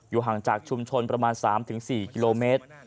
ห่างจากชุมชนประมาณ๓๔กิโลเมตร